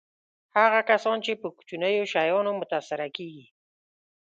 هغه کسان چې په کوچنیو شیانو متأثره کېږي.